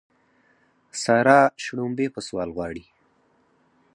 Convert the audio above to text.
سارا شړومبې په سوال غواړي.